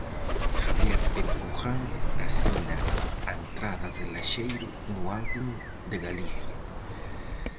Javier Pérez Buján asina a entrada de Laxeiro no Álbum de Galicia.